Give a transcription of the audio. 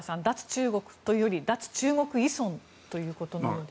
中国というより脱中国依存ということのようです。